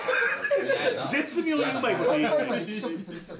絶妙にうまいこと言えへん。